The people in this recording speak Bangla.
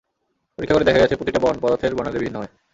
পরীক্ষা করে দেখা গেছে, প্রতিটা পদার্থের বর্ণালি ভিন্ন হয়।